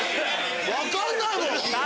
分かんないもん！